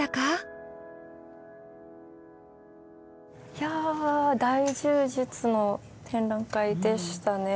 いや大充実の展覧会でしたね。